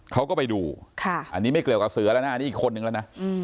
เขาก็ไปดูอันนี้ไม่เกี่ยวกับเสือแล้วนะอันนี้อีกคนนึงแล้วนะ